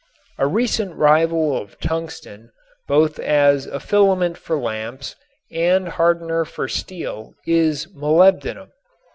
A recent rival of tungsten both as a filament for lamps and hardener for steel is molybdenum.